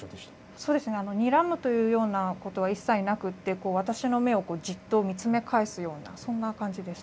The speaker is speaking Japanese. にらむというようなことは一切なくって、私の目をじっと見つめ返すような、そんな感じでした。